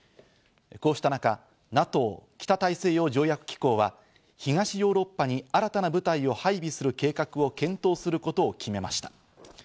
こうした中、ＮＡＴＯ＝北大西洋条約機構は東ヨーロッパに新たな部隊を配備する計画を検討することを決めました。